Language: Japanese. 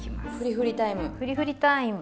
ふりふりターイム。